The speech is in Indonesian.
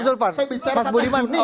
saya bicara satu juni